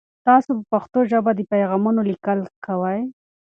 تاسو په پښتو ژبه د پیغامونو لیکل کوئ؟